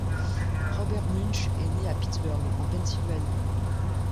Robert Munsch est né à Pittsburgh, en Pennsylvanie.